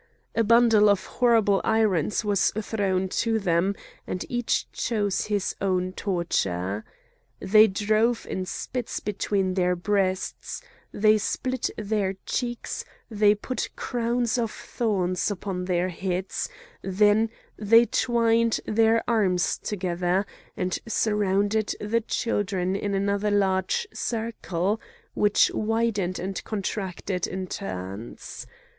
A bundle of horrible irons was thrown to them, and each chose his own torture. They drove in spits between their breasts; they split their cheeks; they put crowns of thorns upon their heads; then they twined their arms together, and surrounded the children in another large circle which widened and contracted in turns.